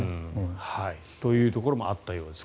というところもあったようです。